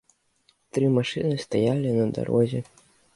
Тры машыны стаялі на дарозе.